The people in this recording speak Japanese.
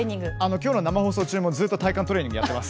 きょうの生放送中もずっと体幹トレーニングやっています。